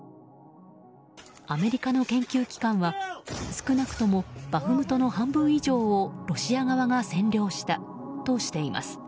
アメリカの研究機関は少なくともバフムトの半分以上をロシア側が占領したとしています。